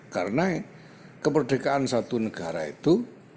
karena kemerdekaan satu negara itu